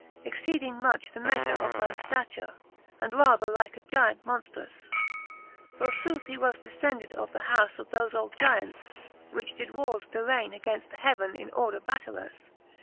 Exceeding much the meafure of mans ftature, And rather like a Gyant monftruous. For footh he was defcended of the hous Of thofe old Gyants, which did warres darraine Againft the heaven in order battailous.